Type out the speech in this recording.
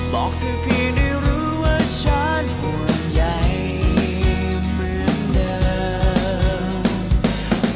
บอกให้พี่ได้รู้ว่าฉันห่วงใหญ่เหมือนเดิม